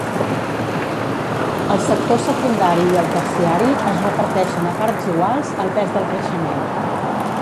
El sector secundari i el terciari es reparteixen a parts iguals el pes del creixement.